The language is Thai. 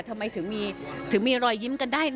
ทำไมถึงมีรอยยิ้มกันได้